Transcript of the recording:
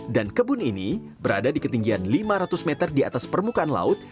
dan kebun ini berada di ketinggian lima ratus meter di atas permukaan laut